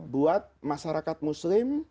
buat masyarakat muslim